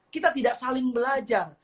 kita tidak saling belajar